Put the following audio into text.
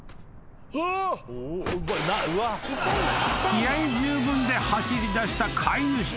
［気合十分で走りだした飼い主と犬］